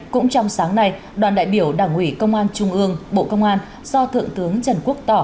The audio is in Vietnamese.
cũng trong sáng nay đoàn đại biểu đảng ủy công an trung ương bộ công an do thượng tướng trần quốc tỏ